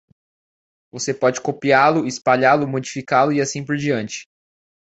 Você pode copiá-lo, espalhá-lo, modificá-lo e assim por diante.